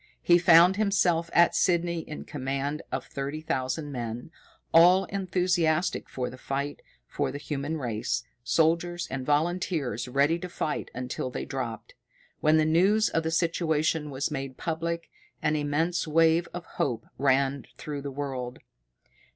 He found himself at Sydney in command of thirty thousand men, all enthusiastic for the fight for the human race, soldiers and volunteers ready to fight until they dropped. When the news of the situation was made public, an immense wave of hope ran through the world.